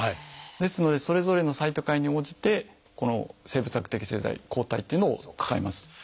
ですのでそれぞれのサイトカインに応じて生物学的製剤抗体っていうのを使います。